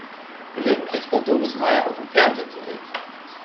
Gelegentlich war Doris Mayer auch im Fernsehen zu sehen.